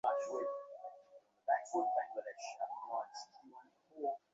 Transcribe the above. এই তপস্যার ভাব সমগ্র হিন্দুধর্মে ওতপ্রোত রয়েছে।